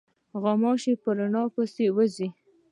غوماشې په رڼا پسې ورځي.